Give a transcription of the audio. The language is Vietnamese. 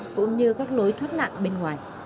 cũng như các lối thoát nạn bên ngoài